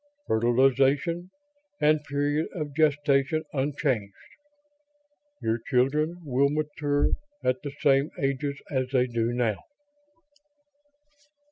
Fertilization and period of gestation unchanged. Your children will mature at the same ages as they do now."